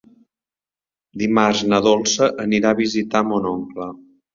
Dimarts na Dolça anirà a visitar mon oncle.